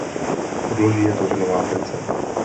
Podloží je tvořeno vápencem.